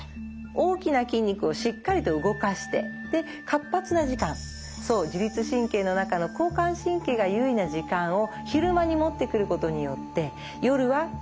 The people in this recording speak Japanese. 大きな筋肉をしっかりと動かしてで活発な時間そう自律神経の中の交感神経が優位な時間を昼間に持ってくることによって夜はしっかりとリラックスできる。